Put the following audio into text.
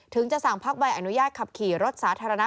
จะสั่งพักใบอนุญาตขับขี่รถสาธารณะ